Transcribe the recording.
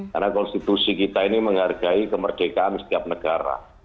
karena konstitusi kita ini menghargai kemerdekaan setiap negara